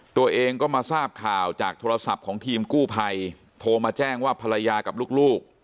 ตัวเองก็มาทราบข่าวจากโทรศัพท์ของทีมกู้ภัยโทรมาแจ้งว่าภรรยากับลูก